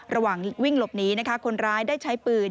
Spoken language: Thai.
ระหว่างวิ่งหลบหนีนะคะคนร้ายได้ใช้ปืน